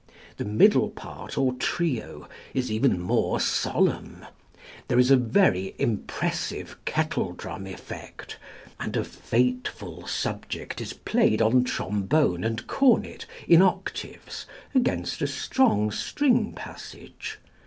The middle part, or trio, is even more solemn; there is a very impressive kettledrum effect, and a fateful subject is played on trombone and cornet in octaves against a strong string passage.